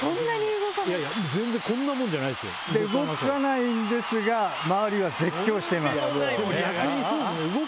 動かないんですが周りは絶叫しています。